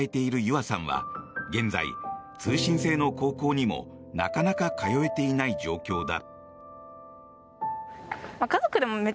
あさんは現在、通信制の高校にもなかなか通えていない状況だ。